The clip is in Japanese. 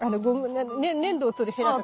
粘土を取るヘラとか。